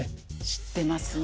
知ってますね。